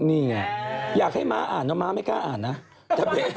นี่ไงอยากให้ม้าอ่านนะม้าไม่กล้าอ่านนะ